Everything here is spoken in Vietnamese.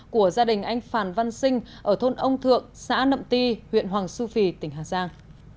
của gia đình anh phan văn sinh ở thôn ông thượng xã nậm ti huyện hoàng su phi tỉnh hà giang